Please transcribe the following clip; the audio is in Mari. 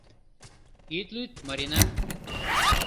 Ит лӱд, Марина.